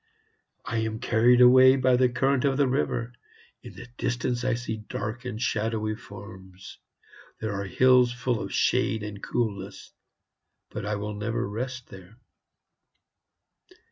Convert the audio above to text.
"I am carried away by the current of the river. In the distance I see dark and shadowy forms; there are hills full of shade and coolness...but I will never rest there."